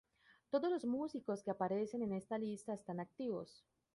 Todos los músicos que aparecen en esta lista están activos.